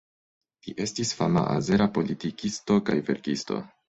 Li estis fama azera politikisto kaj verkisto.